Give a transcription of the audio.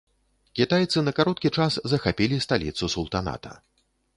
Кітайцы на кароткі час захапілі сталіцу султаната.